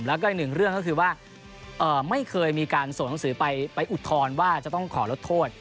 แล้วก็อีกหนึ่งเรื่องก็คือว่าไม่เคยมีการส่งหนังสือไปอุทธรณ์ว่าจะต้องขอลดโทษ